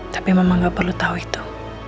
tapi memang gak perlu tahu itu